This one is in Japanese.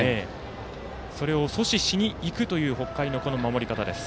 それを阻止しにいくという北海の守りです。